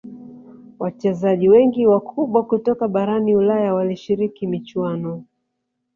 wachezaji wengi wakubwa kutoka barani ulaya walishiriki michuano